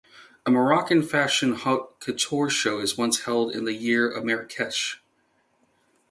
A Moroccan fashion haut-couture show is once held in the year in Marrakech.